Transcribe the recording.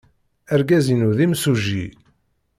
Argaz-inu d imsujji.